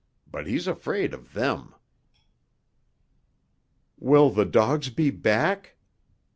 But he's afraid of them." "Will the dogs be back?"